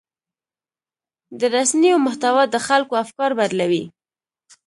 د رسنیو محتوا د خلکو افکار بدلوي.